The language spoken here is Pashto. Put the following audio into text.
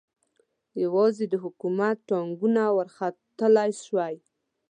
یوازې د حکومت ټانګونه ورختلای شوای.